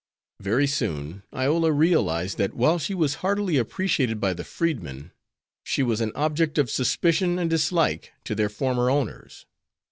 Very soon Iola realized that while she was heartily appreciated by the freedmen, she was an object of suspicion and dislike to their former owners.